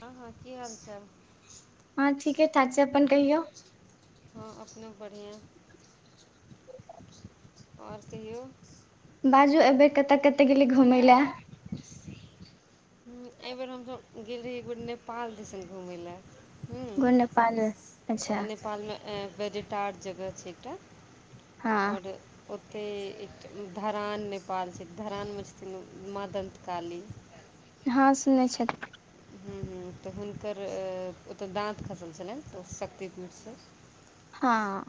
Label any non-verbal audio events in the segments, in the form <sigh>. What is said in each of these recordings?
हँ हँ की हाल चाल हँ ठीके ठाक छै अपन कहियौ हँ अपनो बढ़िआँ आओर कहियौ बाजू एहिबेर कतय कतय गेली घूमय लए एहिबेर हमसभ गेल रीै एक नेपाल दिसन घुमय लए गेलहूँ नेपाल अच्छा हँ नेपालमे वरेटारड जगह छै एकटा हँ आओर ओते एकटा धरान नेपाल छै धरानमे छथिन माँ दन्त काली हँ सुनै छथि हुँ हुँ तऽ हुनकर ओतय दाँत खसल छलनिऽ शक्तिपीठसँ हँ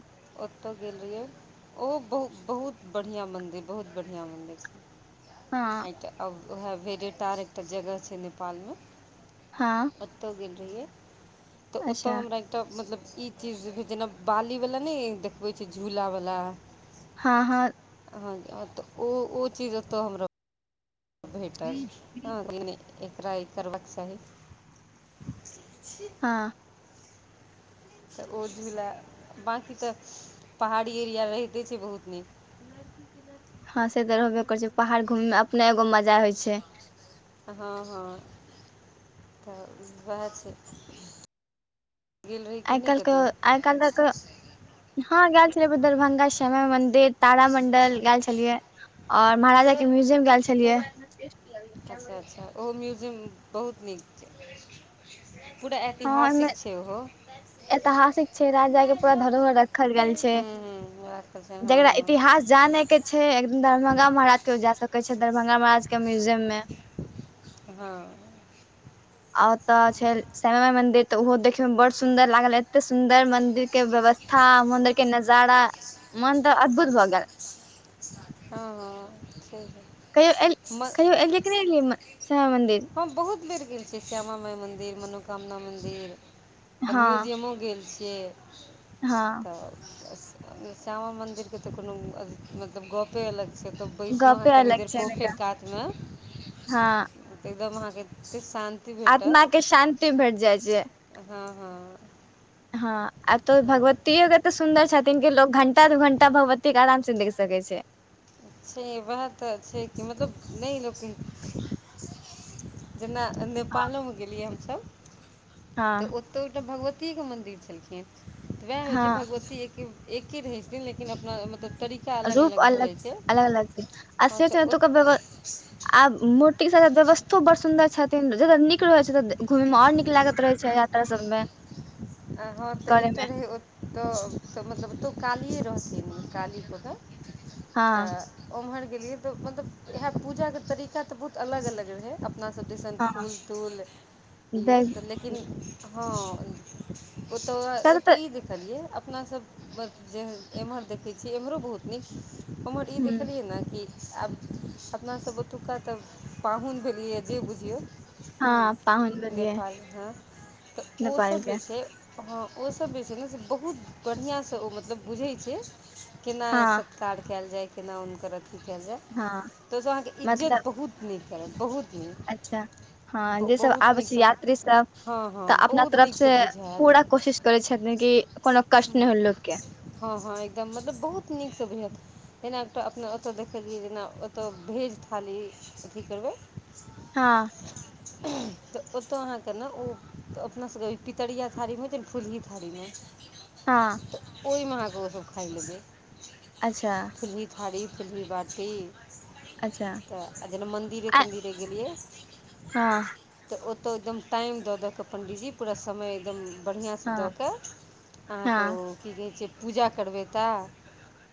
ओतऽ गेल रहियै ओहो बहु बहुत बढ़िआँ मन्दिर बहुत बढ़िआँ मन्दिर छै हँ आ तऽ आब उएह भेरेटार एकटा जगह छै नेपालमे हँ ओतौ गेल रहियै तऽ अच्छा ओतय हमरा एकटा मतलब ई चीज जना बाली वला ने देखबे छी झूला वला हँ हँ हँ तऽ ओ ओ चीज ओतऽ हमरा भेटल ह एकरा ई करबाक चाही हँ तऽ ओझुलाए बाँकी तऽ पहाड़ी एरिया रहिते छै बहुत नीक हां से तऽ रहबे करे छै पहाड़ घूमे मे अपने एगो मजा होय छै हँ हँ तऽ उएह छै गेल रही कि नहि आइकाल्के कतहु आइकाल द क हँ गेल छलियै दरभंगा श्यामा मंदिर तारामण्डल गेल छलियै और महाराजा के म्यूजियम गेल छलियै अच्छा अच्छा ओहो म्युजियम बहुत नीक पूरा हँ ओहिमे ऐतिहासिक छै ओहो ऐतिहासिक छै राज जा के पूरा धरोहर रखल गेल छै हूँ हूँ राखल छै हँ जकरा हँ इतिहास जाने के छै एकदिन दरभंगा महाराज के जा सके छै दरभंगा महाराज के म्यूजियम में हँ औओत छै श्यामा माई मंदिर तऽ ओहो देखे में बड़ सुंदर लागल एते सुंदर मंदिर के व्यवस्था था मंदिर के नजाड़ मन्द अद्भुत हो गेलल हँ हँ छै है कहियो एल कहियो एलियै कि नहि एलियै श्यामा मन्दिर हम बहुत बेर गेल छीयै श्यामा माइ मन्दिर मनोकामना मन्दिर तऽ हँ म्युजियमो गेल छियै हँ तऽ श्यामा मन्दिरके तऽ कोनो मतलब गपे अलग छै तऽ बैसू अहाँ गपे कनि अलग देर छै पोखरि एनका कातमे हँ एकदम अहाँके एते शान्त आत्मा के शान्ति भेट जाइ छै हँ हँ हँ आब तो हँ भगवतियो केते सुन्दर छथिन क लोग घंटा टा दू घंटा भगवती के आराम से देख सक छै छै उएह तऽ छै कि मतलब नहि लोके जेना हँ नेपालोमे गेलियै हमसभ हँ तऽ ओ तऽ एकटा भगवतिये मन्दिर छलखिन तऽ वएह होइत हँ छै भगवतीे एक एके रहै छथिन लेकिन अपना मतलब तरीका रूप भऽ अलग जाइ छै अलग अलग छै हँ तऽ ओ आत व आ ा व्यवस्थो बड सुदर छथिन जत नीक रहे छै तऽ घूमे में और नीक लागत रहे छै यात्रा सब में आ हँ तऽ एकटा रहै ओ तऽ तऽ मतलब तौ कालिए रहथिन ने काली पदऽ तऽ हँ ओम्हर गेलियै तऽ मतलब इएह पूजाके तरीका तऽ बहुत अलग अलग रहै अपना सबटइसन हँ फूल तूल इौ तऽ लेकिन हँ ओतय सब तऽ ओतय ई देखलियै अपनासभ बस जे एम्हर देखैत छियै एम्हरो बहुत नीक हमर ई ह देखलियै ने कि आब अपनासभ ओतुका तऽ पाहुन भेलैए जे बुझियौ ह हँ पाहुन भेलियै नेपाल हँ तऽ ओ नेपाल के से हँ ओस जे छै ने से बहुत बढ़िआँसँ ओ मतलब बुझै छै केना हँ सत्कार कयल जाय केना हुनकर अथी कयल जाय हँ तऽ ओहिसँ अहाँके इज्जत मतलब बहुत नीक करत बहुत नीक अच्छा हँ जे सब बहुत आबै छै नीकसँ यात्री सब हँ हँ तऽ अपना बहुत तरफ नीकसँ से बुझायत पूरा कोशिश करै छथिन क कोनो कष्ट नहि होल लोकोग के हँ हँ एकदम मतलब बहुत नीक सँ भेत एेना एकटाऽ अपना ओतय देखलियै जेना ओतय भेज थाली अथी करबै हँ तऽ ओतो अहाँ के ना ओ अपना सबके पितरििया थारीमे छै फूलही थारीमे हँ तऽ ओहिमे अहाँके ओस खाइ लेबै अच्छा फलही थारी फूलही बाटी अच्छा तऽ आ जेना मन्दिरे आ तन्दिरे गेलियै हँ तऽ ओतय एकदम टाइम दऽ दऽ कऽ पण्डीजी पूरा समय एकदम बढ़िआँसँ हँ दऽ कऽ अहाँ हँ की पूजा करबै त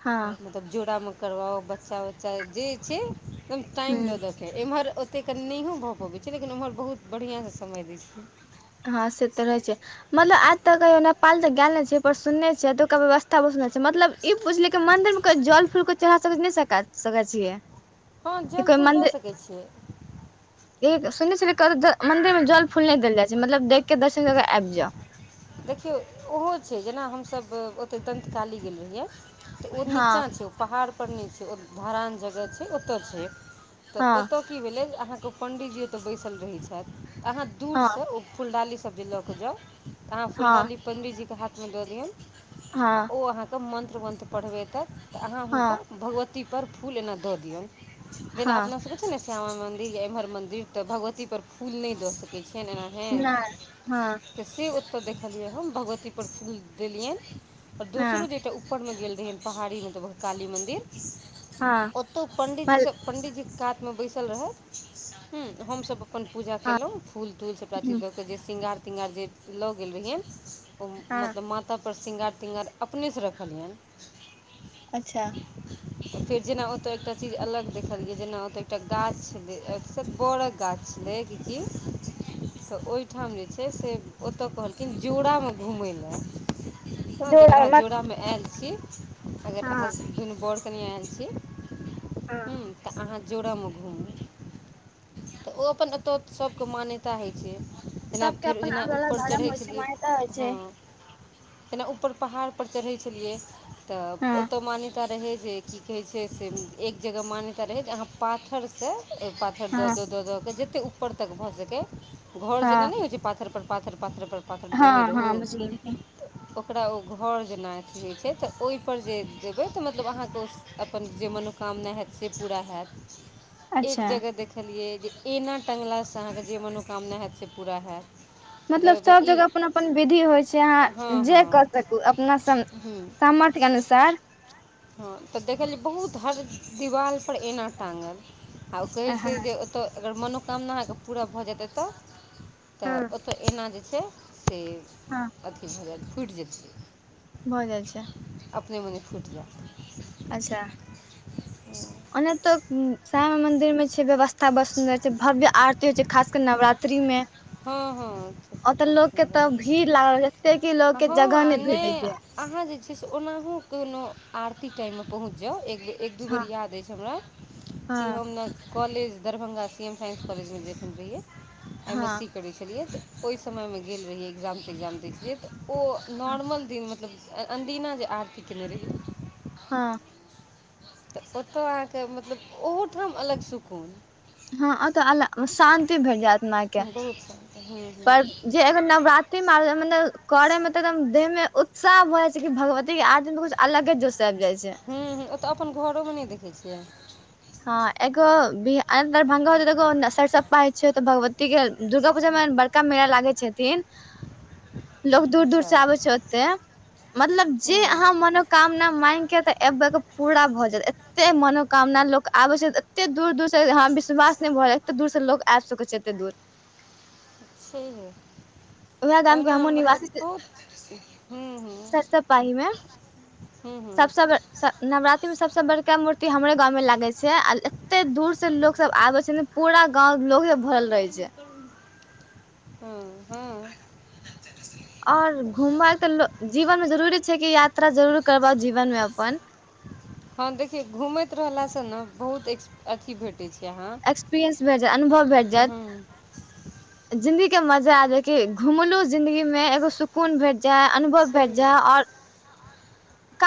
हँ मतलब जोड़ामे करवाउ बच्चा उच्चा जे छै एकदम टाइम दऽ हूं देत एम्हर ओतेक कनी नहियओ भऽ पबै छै लेकिन ओम्हर बहुत बढ़िआँसँ समय दै छै हँ से तऽ रहै छै मतलब आज तऽ कहियो नेपाल तऽ गेल ने छै पर सुनने छियै अतौका व्यवस्था बड मतलब ई पुछलियै कि मन्दिर मे को जल फूल के चढ़हा सका सकैत छियै हँ कि जल कोइ फूल दऽ मंदिर सकैत छियै एक सुनने छलियै मंदिर मे जल फूल नहि देल जाय छै जे मतलब देख के दर्शन कर के आबि जाउ देखियौ ओहो छै जेना हमसभ ओतेक दन्तकाली गेल रहियै तऽ ओ नीचाँ हँ छै ओ पहाड़पर नहि छै ओ धरान जगह छै ओतय छै तऽ हँ ओतय की भेलै जे अहाँके ओ पण्डीजी ओतय बैसल रहै छथि अहाँ हँ दूरसँ ओ फुलडाली सब जे लऽ कऽ जाउ तऽ अहाँ हँ फुलडाली पण्डीजीके हाथमे दऽ दियौन आ हँ ओ अहाँके मन्त्र मन्त्र पढ़बैतथि तऽ अहाँ हुनका हँ भगवतीप फूल एना दऽ दियौ जेना हँ अपना सबके ने श्यामा मंदिर या इम्हर मंदिर त भगवती पर फूल नहि द सकैत छिय ने ए हँ नहि हँ तऽ से ओतऽ देखलियै हम भगवतीपर फूल देलियनि आओर दोसरो हँ जटा ऊपरमे गेल रहियनि पहाड़ीमे तऽ ओ काली मन्दिर हँ ओतौ पंडित जी से पण्डीजीके कातमे बैसल रहथि हँ हमसब अपन पूजा केलौ फूल तूल सबटा चीज दऽ कऽ जे शृंगार तिंगार जे लऽ गेल रहियै ओ हँ मतलब मा माता पर श्रृंगार तृंगार अपनेसँ रखलियनि अच्छा <unintelligible> फेर जेना ओतय एकटा चीज अलग देखलियै जेना ओतय एकटा गाछ छलै सब बड़क गाछ छल क तऽ ओहिठाम जे छै से ओतय कहल लेकिन जोड़ामे घुमै लए हँ जोड़ जकरा आ- अहाँ मत जोड़ामे आयल छी अगर हाँ हनो बड़ कनियाँ आयल छी हाँ ह तऽ अहाँ जोड़ामे घुमु तऽ ओ अपन एतऽ सबके मान्यता होय छै जेना सबके फेर अपन जेना अलग अलग ऊपर धर्म चढ़ैत होइ छल छै मान्यता होइ छै हँ जेना ऊपर पहाड़पर चढ़ै छलियै तऽ हँ ओतऽ मान रहे जे की कहे छै से एक जगह मान्यता रहे जे अहाँ पाथर से पाथर दऽ हँ दऽ दऽ दऽ के जते ऊपर तक भऽ सकै घर हँ जेना नहि होइ छै पाथर पर पाथर पाथरपर पाथर देने हँ रहू हँ बुझि गेलियै तऽ ओकरा ओ घर जेना अथी होय छै तऽ ओहिपर जे देबै तऽ मतलब अहाँके ओ अपन जे मनोकामना हेत से पूरा हेत <unintelligible> एक जगह देखलियै जे एना टङ्गलासँ अहाँकेँ जे मनोकामना हेत से पूरा हयैत मतलब सब जगह अपन अपन विधि होय छै हँ अहाँ जे हँ कर सकू अपना सामर्थ्य सामर्थक अनुसार हँ तऽ देखलियै बहुत हर दिवालपर एना टाँगल आ ओ हँ कहैत छै हँ जे ओतय अगर मनोकामना अहाँके पूरा भऽ जेयतै एतय तऽ तऽ एना जे छै से हँ अथ की भऽ जाय फुटि जातै भऽ जाइ छै अपने मने फूटि जायत अच्छा ओना तऽ श्यामा मन्दिर मे व्यवस्था बहुत सुन्दर छै भव्य आरती होइ छै खासकर नवरात्रि में हँ हँ ओतऽ बड़ लोक के तऽ सुन्दर भीड़ लागल एते की लोक के हँ जगह आ नहि भेटै छै अहाँ जे छै से ओनाहु कोनो आरती टाइममे पहुँच जाउ एक बेेर एक दू बेर हँ याद अछि हमरा कि हँ हम ने college Darbhanga C M science कॉलेजमे देखखन रहिै एम एस हँ सी के करै छलियै तऽ ओहि समयमे गेल रहिै एग्जाम तग्जाम देखै छलियै तऽ ओ नॉर्मल दिन मतलब अन्दीना जे आरती केयने रहि हँ तऽ ओतय अहाँके मतलब ओहूठाम अलग सुकून हँ ओतऽ अ शांति भेट जायत के एहिस पर जे अगर नवरात्रि मतलब करैमे तऽ एकदम देहमे साह भऽ जाइ छै क कि भगवती के आदती मे कुछ अलगे जोस आब जाइ छै हूँ हँ ओतऽ अपन घरोमे नहि देखै छियै हँ एगो भरभंगा होत तऽगो सरसप पाै छै तऽ भगवत ठीक ह दुर्गा पूजा मे बड़का मेला लागै छथिन लोको दूर दूर अच्छा से हूँ आबै छै ओते मतलब जे हूँ अहाँ मनो कामना मांग के तऽ एबे के पूरा भऽ जायत एते मनोकामना लोक आबै छै तऽ एतेक दूर दूरसँ विश्वास नहि भऽ रहल एतेक दूरसँ लोक आबि सकैत छै एतेक दूर छै हे उएह गाम के ओहिना हमहुँ निवासी मतलब बहुत ह्म्म ह हूं हूं सब नवरात्रि मे सबसँ बड़का मूर्त ते हमरो गाँव मे लागै छै छै आ एते दूर से लोग सब आबे छै ने पूरा गाँंव लोग सब भरल रहे छै हँ हँ ओर घुमब तऽ जीवन मे जरूरी छै कि यात्रा जरूर करबा जीवन मे अपन हं देखिये घूमैत रहलला से ने बहुत एक अथी भेट कहै छी अहाँ एक्सपीरियंस भेय जायत अनुभव भेय जायत हँ जिंदी के मजा आबे क घुमलु जिंदगी मे एगो सुकून भेट जाय अनुभव सही भेट है। जाय आओर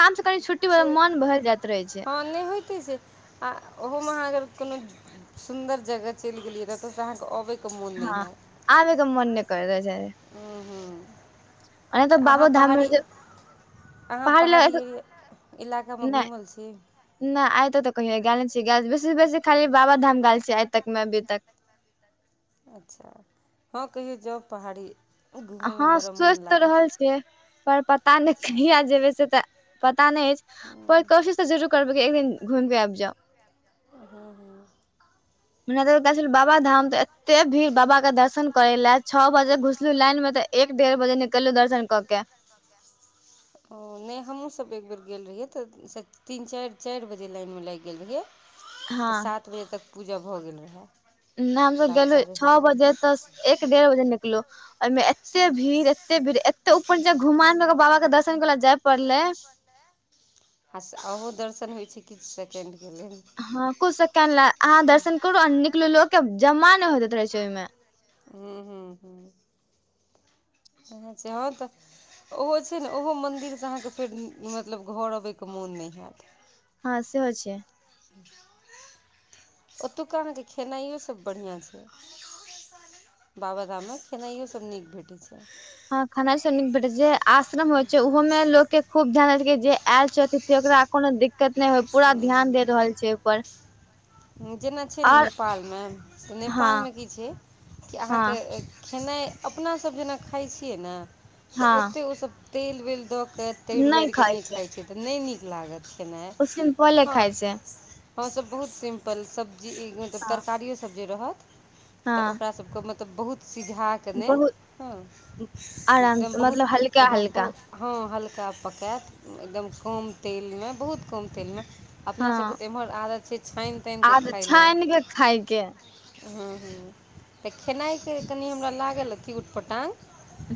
काम से कनि छुट्टी ब से मोन भरि जाइत रहे छै हँ होइते आ ओहमे अहाँ अगर कोनो सुन्दर जगह चलि गेलियै ततऽसँ अहाँके अबै हँ आबैके मोन नहि कर रहलै छै हूँ हूँ ओना तऽ अहाँ बाबो धाम मे पहाड़ी अहाँ पहाड़ी एर इलाकामे नहि घूमल छी नहि आइ तक तऽ कहियो गेल छी बेसी बेसी खाली बाबाधाम गेल छीयै आइ तक मे अभी तक अच्छा हँ कहिय जाउ पहाड़ी हँ घूमयमे बड़ा स्वस्थ मोन तऽ लागत रहल छियै पर पता नहि कहिय जेबै से तऽ पता नहि अछि पर हँ कोशिश तऽ जरूर करबै एक द घमिके आबि जाउ हँ हँ त बाबा धाम ते एते भीड़ बाबा के दर्शन करे ले छओ बजे घुसलू लाइन में ते एक डेढ़ बजे निकल दर्शन कऽ के ओ नहि हमहूँसभ एक बेेर गेल रहियै तऽ तीन चारि चारि बजे लाइनमे लागि गेल रहियै हँ तऽ सात बजे तक पूजा भऽ गेल रहय नहि हमसब गेलहु छओ बजे तऽ एक डेढ़ बजे निकलो ओमे एते भीड़ एते भीड़ ए तऽ उपर ज घुमान लऽ कऽ बा के दर्शन कर ल जाय पड़ले आ ओहो दर्शन होइत छै किछु सेकेण्डके लेल हँ कुछ सेके्ड ल अहाँ दर्शन करू आ निकलु लो के जमा न नहि होतैत रहे छै ओहिमें हू हू सेहो तऽ ओहो छै ने ओहो मन्दिर सँ अहाँकेँ फेर मतलब घर अबैके मोन नहि हैत हँ सेहो छै ओतुका अहाँके खेनाइोसभ बढ़िआँ छै बाबाधामक खेनाइयो सभ नीक भेटै छै ह खनाइ सब निक भेटै छै जेै आश्रम होइ छै ओहो मे लोक के खूब ध्यान जे आयल छै ओकरा कोनो दिक्कत नहि होइ पूरा हूँ हूँ ध्यान दे रहल छै ओहिपर जेना छै और नेपाल मे तऽ हँ नेपालमे की छै कि अहाँके हँ खेनाइ अपना सब जेना खाइ छियै ने तऽ हँ ओते ओसभ तेल वेल दऽ कऽ तर बरि कऽ नहि खाइ छियै तऽ नहि नीक लागत खेनाइ ओ सिम्पले हँ खाइ छै हम सब बहुत सिम्पल सब्जी मतलब हँ तरकारियो सब रहत तऽ हँ ओकरा सब के मतलब बहुत सिझा कने बहुत हँ आराम एकदम बहुत मतलब हल्का हँ हल्का बहु हँ हल्का पकायत एकदम कम तेलमे बहुत कम तेलमे अपना सबके तऽ एम्हर आदत छै छानि तानि आ त छानि के खाायके ह्मँ ह्मँ तऽ खेनाइके कनि हमरा लागल की उटपटा्ग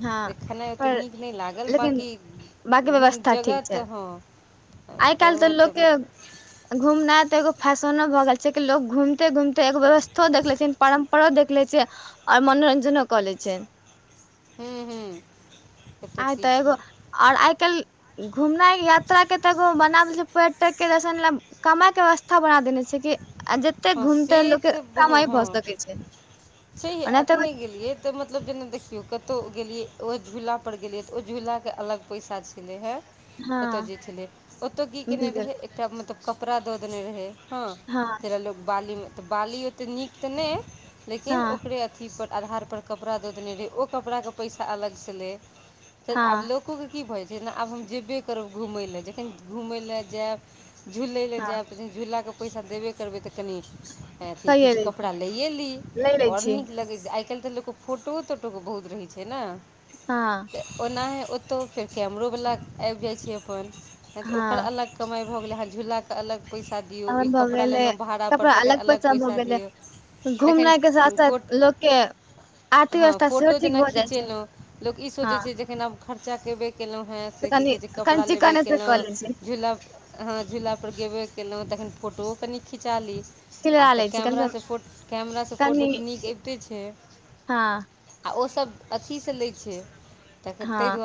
हँ खेनाइ ओते पर नीक नहि लागल लेकिन बाँकी बाकी रूम व्यवस्था जगह ठीक छै तऽ हँ आ आइ काल्हि जगह लोक तऽ के मतलब घूमना तऽ एगो फैशनो भऽ गेल छै क लो घूमे घूमते एगो व्यवस्था देख ले छ परम्परा देख ले छै आऔर मनोरंजनो कऽ ले छैय हूँ हूँ कतऽ आ की तऽ एगो छै आओर आइ काल्हि घुमनाइ यात्रा के तऽ एगो बना दे छै पर्यटक केन कमााय के व्यवस्था बना देने छै आ जते हँ से घूमते लोक तऽ बहु कामइ भऽ हँ सकै छै छै ओना तऽ एखने गेलियै तऽ मतलब जेना देखियौ कतहु गेलियै ओहि झूलापर गेलियै तऽ ओहि झूलाके अलग पैसा छलै हे ओतय हँ जे छलै ओतय की केने बिलकुल रहै एकटा मतलब कपड़ा दऽ देने रहै हँ हँ तऽ बाली ओते नीक तऽ नहि लेकिन हँ ओकरे अथी पर आधार पर कपड़ा दऽ देने रहै ओ कपड़ाके पैसा अलगसँ लै फेर आब हँ लोक लोकोके की भऽ जाइ छै जेना आब हम जेबे करब घूमय लेलए जखन घुमय लए जायब झूलै लए हँ जायब प झूला कऽ पैसा देबे करबै तऽ कनि अथी कहिये किछ लै कपड़ा छी लैए ली ले लै आओर छी नीक लगै छै आइालहि काल्हि तऽ लोकके फोटो तोटोके बहुत रहै छै ने हँ त ओनाहै ओतौ फेर कैमरोवला आबि जाइ छै फोन तऽ ओकर हँ अलग समय भऽ गेलै अहाँ झूलाके अलग पैसा दियौ तहन ओ भऽ कपड़ा गेलै लेलहुँ भाड़ा परर कपड़ा तकर अलग भऽ पैसा गेलै दिअ तखन घुमनाइ के साथ फोट साथ लोक के हँ अर्थव्यवस्था सेहो फोटो ठीक जेना भऽ जाइ छै खिचेलहुँ लोकग ई हँ सोचैत छै जेखना आ खर्चा केबे केलहुँ हेँ तऽ से की कनि कहै छै कनि कपड़ा लेबे चिकने से कऽ कयलहुँ लै छी झूला अहाँ झूलापर गेबे कयलहुँ तखन फोटोओ कनि खिचा ली आ चिलला तऽ लै छी कम कैमरा से कम सँ फोटो कैमरा सँ फोटो कनि तऽ नीक अबिते छै हँ आ ओसभ अथी सँ लै छै त हँ ताहि दुआरे